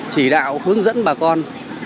chỉ đạo hướng dẫn bà con